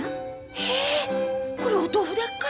へえこれお豆腐でっか。